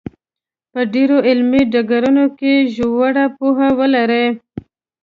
په ډېرو علمي ډګرونو کې ژوره پوهه ولري.